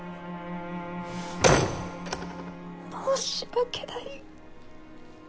申し訳ない。